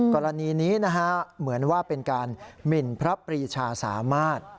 กรณีนี้นะฮะเหมือนว่าเป็นการหมินพระปรีชาสามารถ